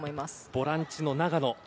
ボランチの長野。